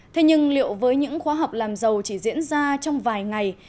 thế nhưng liệu với những khóa học làm giàu chỉ diễn ra trong vài ngày